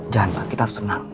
jangan pak kita harus senang